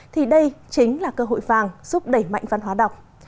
thì đây chính là cơ hội vàng giúp đẩy mạnh văn hóa đọc